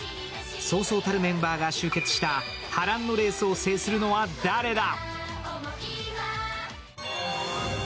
そうそうたるメンバーが集結した波乱のレースを制するのは誰だ？